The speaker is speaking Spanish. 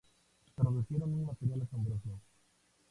Produjeron un material asombroso.